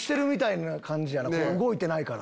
動いてないから。